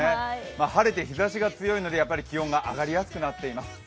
晴れて日ざしが強いので、気温が上がりやすくなっています。